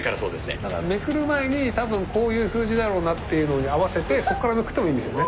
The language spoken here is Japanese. だから、めくる前に多分こういう数字だろうなっていうのに合わせて、そこからめくってもいいんですよね？